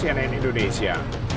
demi leputan cnn indonesia